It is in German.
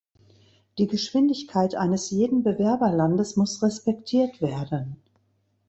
Die Geschwindigkeit eines jeden Bewerberlandes muss respektiert werden.